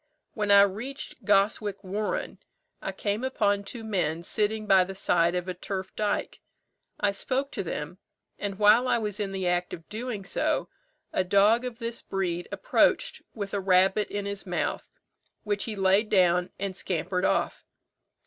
When I reached Goswick warren, I came upon two men sitting by the side of a turf dyke. I spoke to them; and while I was in the act of doing so, a dog of this breed approached with a rabbit in his mouth, which he laid down and scampered off.